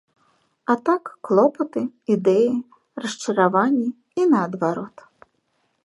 А так, клопаты, ідэі, расчараванні і наадварот.